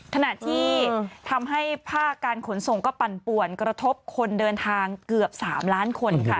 ขณะที่ทำให้ภาคการขนส่งก็ปั่นป่วนกระทบคนเดินทางเกือบ๓ล้านคนค่ะ